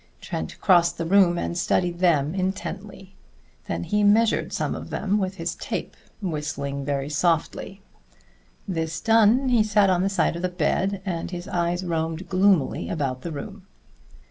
Trent crossed the room and studied them intently; then he measured some of them with his tape, whistling very softly. This done, he sat on the side of the bed, and his eyes roamed gloomily about the room.